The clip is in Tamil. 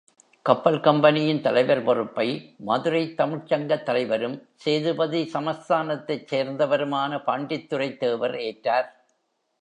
கப்பல் கம்பெனியின் தலைவர் பொறுப்பை மதுரைத் தமிழ்ச்சங்கத் தலைவரும், சேதுபதி சமஸ்தானத்தைச் சேர்ந்தவருமான பாண்டித்துரைத் தேவர் ஏற்றார்.